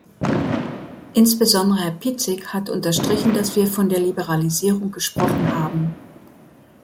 Insbesondere Herr Piecyk hat unterstrichen, dass wir von der Liberalisierung gesprochen haben.